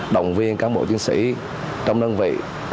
động viên các bộ chiến sĩ trong đơn vị